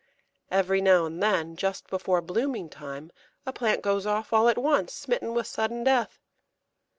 Every now and then, just before blooming time, a plant goes off all at once, smitten with sudden death.